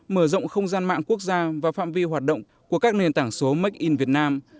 mở rộng không gian mạng quốc gia và phạm vi hoạt động của các nền tảng số make in việt nam